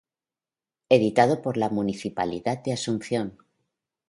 Editado por la Municipalidad de Asunción.